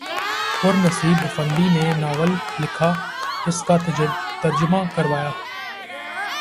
پر نسیب آفندی نے ناول لکھا، اس کا ترجمہ کروا کے